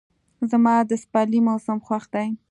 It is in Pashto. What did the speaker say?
زما د سپرلي موسم خوښ دی.